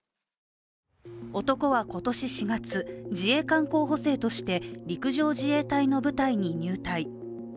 男は今年４月、自衛官候補生として陸上自衛隊の部隊に入隊。